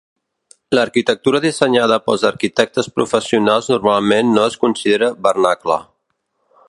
L'arquitectura dissenyada pels arquitectes professionals normalment no es considera vernacle.